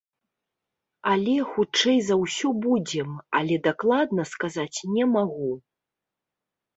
Але, хутчэй за ўсё, будзем, але дакладна сказаць не магу.